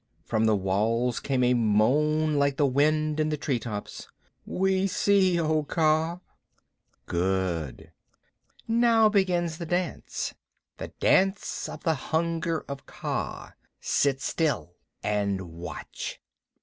From the walls came a moan like the wind in the tree tops "We see, O Kaa." "Good. Begins now the dance the Dance of the Hunger of Kaa. Sit still and watch."